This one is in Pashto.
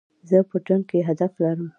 زه په ژوند کي هدف لرم.